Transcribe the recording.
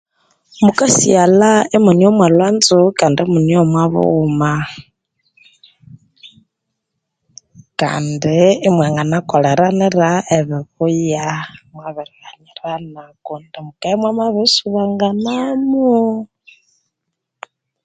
Mukasighalha imune omwalhwanzo Kandi imune omwabughuma Kandi omwanganakoleranire ebibuya kundi mune omwabughuma